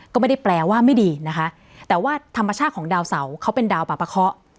ก็ไม่ได้แปลว่าไม่ดีนะคะแต่ว่าธรรมชาติของดาวเสาเขาเป็นดาวปะปะเคาะ